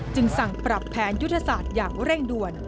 สั่งปรับแผนยุทธศาสตร์อย่างเร่งด่วน